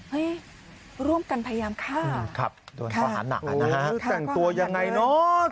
เห้ยร่วมกันพยามค่ะครับโอประหลาดตัวยังไงน่ะ